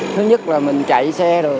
thứ nhất là mình chạy xe rồi